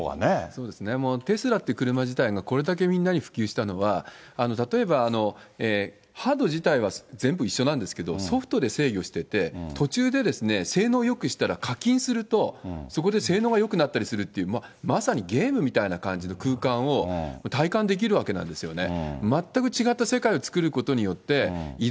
そうですね、もうテスラって車自体がこれだけみんなに普及したのは、例えばハード自体は全部一緒なんですけど、ソフトで制御してて、途中で性能をよくしたら、課金するとそこで性能がよくなったりするっていう、まさにゲームみたいな感じの空間を体感できるわけなんですよね。